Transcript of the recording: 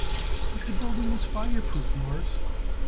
"But the building is fireproof, Mawruss."